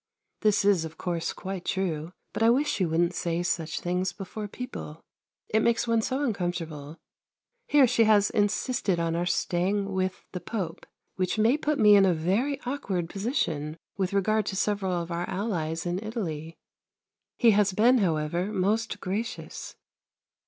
This is of course quite true, but I wish she wouldn't say such things before people. It makes one so uncomfortable. Here she has insisted on our staying with the Pope, which may put me in a very awkward position with regard to several of our allies in Italy. He has been, however, most gracious.